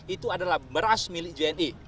itu adalah beras milik jni